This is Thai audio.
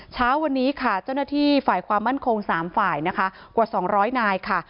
เช้าวันนี้ค่ะเจ้าหน้าที่ฝ่ายความมั่นคง๓ฝ่ายนะคะกว่า๒๐๐นายค่ะ